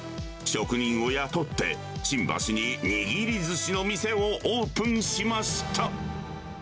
職人を雇って、新橋に握りずしの店をオープンしました。